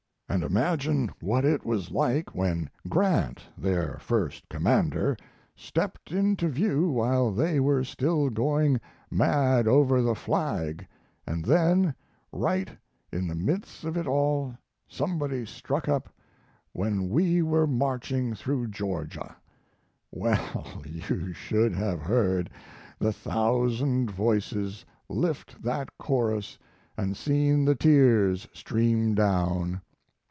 And imagine what it was like when Grant, their first commander, stepped into view while they were still going mad over the flag, and then right in the midst of it all somebody struck up "When we were marching through Georgia." Well, you should have heard the thousand voices lift that chorus and seen the tears stream down.